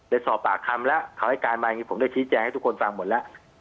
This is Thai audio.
ได้สอบปากคำแล้วเขาให้การมาอย่างนี้ผมได้ชี้แจงให้ทุกคนฟังหมดแล้ว